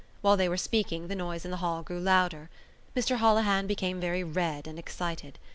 While they were speaking the noise in the hall grew louder. Mr Holohan became very red and excited.